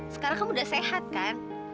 sekarang kamu udah sehat kan